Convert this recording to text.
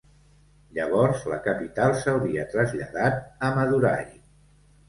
Llavors la capital s'hauria traslladat a Madurai.